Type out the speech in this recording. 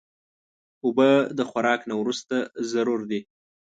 اوبه د خوراک نه وروسته ضرور دي.